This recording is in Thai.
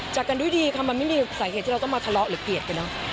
จากกันด้วยดีค่ะมันไม่มีสาเหตุที่เราต้องมาทะเลาะหรือเกลียดไปเนอะ